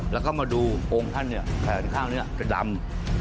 แล้วก็มาดูองค์ท่านเนี่ยแผนข้าวนี้จะดำ